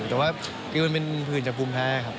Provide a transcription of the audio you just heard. แต่ว่าคือมันเป็นผลิตจากปุ่มแพ้ครับ